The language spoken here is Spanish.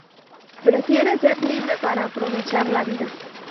Prefiere ser libre para aprovechar la vida.